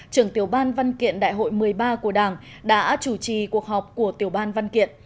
trưởng tiểu ban văn kiện đại hội một mươi ba của đảng đã chủ trì cuộc họp của tiểu ban văn kiện